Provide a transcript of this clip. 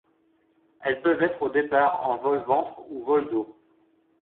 Elles peuvent être au départ en vol ventre ou vol dos.